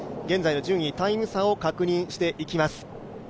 現在の順位、タイム差を確認していきます。